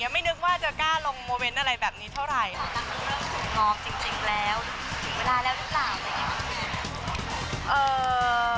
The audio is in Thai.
มันก็แล้วแต่วันนี้